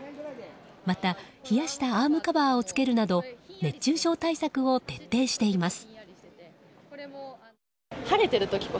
また冷やしたアームカバーを着けるなど熱中症対策を徹底しています。